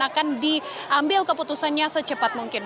akan diambil keputusannya secepat mungkin